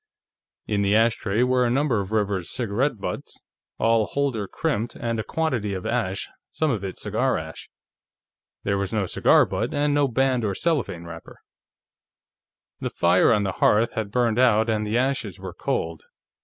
In the ashtray were a number of River's cigarette butts, all holder crimped, and a quantity of ash, some of it cigar ash. There was no cigar butt, and no band or cellophane wrapper. The fire on the hearth had burned out and the ashes were cold.